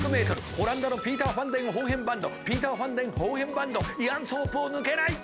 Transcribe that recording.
オランダのピーター・ファン・デン・ホーヘンバンドピーター・ファン・デン・ホーヘンバンドイアン・ソープを抜けない！